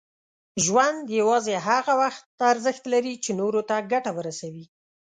ژوند یوازې هغه وخت ارزښت لري، چې نور ته ګټه ورسوي.